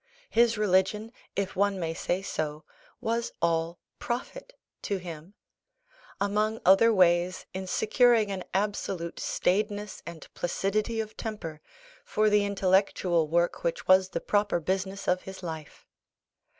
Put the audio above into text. His religion, if one may say so, was all profit to him; among other ways, in securing an absolute staidness and placidity of temper, for the intellectual work which was the proper business of his life.